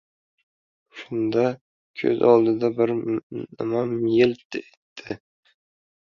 Shunda, ko‘z oldida bir nima yilt etdi.